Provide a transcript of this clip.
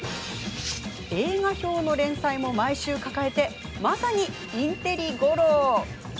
映画評の連載も毎週抱えてまさにインテリゴロウ。